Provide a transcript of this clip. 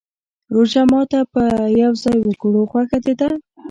روژه ماته به يو ځای وکرو، خوښه دې ده؟